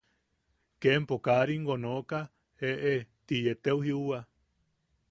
Ke empo kaa ringo nooka ¡eʼe! ti yee teu jiuwa.